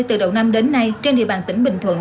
từ đầu năm đến nay trên địa bàn tỉnh bình thuận